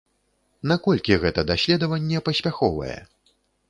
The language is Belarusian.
Наколькі гэта даследаванне паспяховае?